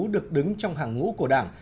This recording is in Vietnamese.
được đứng trong hàng ngũ của đảng